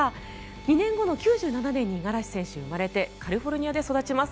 ２年後の１９９７年に五十嵐選手は生まれてカリフォルニアで育ちます。